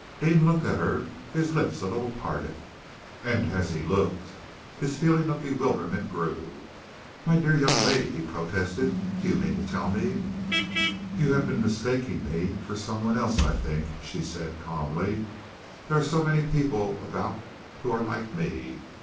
Deane looked at her, his lips a little parted, and as he looked his feeling of bewilderment grew. "My dear young lady," he protested, "do you mean to tell me " "You have been mistaking me for someone else, I think," she said calmly. "There are so many people about who are like me.